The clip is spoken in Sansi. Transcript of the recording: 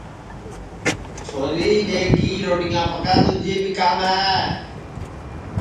چھوری ٻیگی روٹیاں پکا دؔوجے بی کام ہے